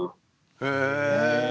へえ。